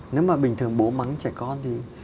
nếu mà bình thường bố mắng trẻ con thì